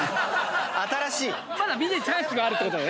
みんなにチャンスがあるってことだね。